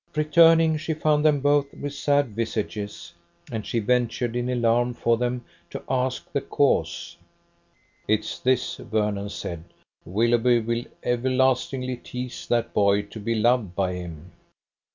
Returning, she found them both with sad visages, and she ventured, in alarm for them, to ask the cause. "It's this," Vernon said: "Willoughby will everlastingly tease that boy to be loved by him.